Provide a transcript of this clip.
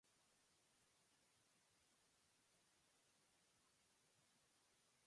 The couple's intimacy and history is apparent.